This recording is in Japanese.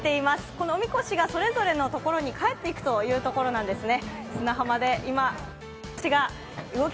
このお神輿がそれぞれのところに帰っていくところですね。